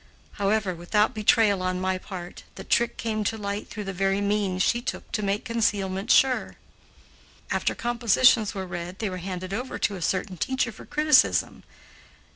However, without betrayal on my part, the trick came to light through the very means she took to make concealment sure. After compositions were read they were handed over to a certain teacher for criticism.